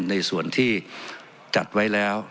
ในส่วนที่จัดไว้แล้ว